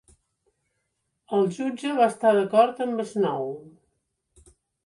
El jutge va estar d'acord amb Snow.